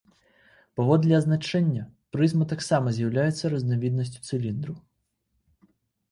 Паводле азначэння прызма таксама з'яўляецца разнавіднасцю цыліндру.